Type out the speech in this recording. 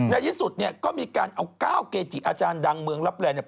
ในที่สุดก็มีการเอา๙เกจิอาจารย์ดังเมืองรับแรง